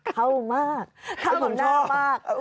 เข้ามากเข้าเหมือนหน้ามาก